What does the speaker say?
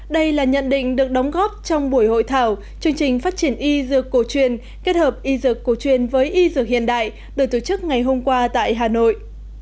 đây là nhận định được đóng góp trong buổi hội thảo chương trình phát triển y dược cổ truyền kết hợp y dược cổ truyền với y dược hiện đại được tổ chức ngày hôm qua tại hà nội